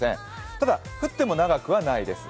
ただ降っても長くはないです。